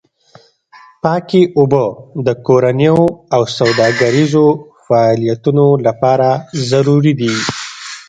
پاکې اوبه د کورنیو او سوداګریزو فعالیتونو لپاره ضروري دي.